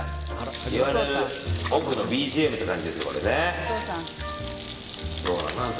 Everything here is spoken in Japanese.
言われる奥のＢＧＭって感じですよ。